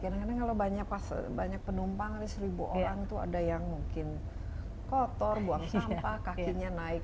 karena kalau banyak penumpang dari seribu orang tuh ada yang mungkin kotor buang sampah kakinya naik